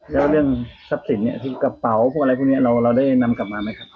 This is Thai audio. แล้วเรื่องทรัพย์สินเนี่ยพวกกระเป๋าพวกอะไรพวกนี้เราได้นำกลับมาไหมครับ